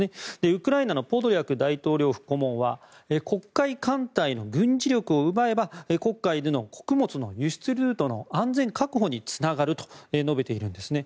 ウクライナのポドリャク大統領府顧問は黒海艦隊の軍事力を奪えば黒海での穀物の輸出ルートの安全確保につながると述べているんです。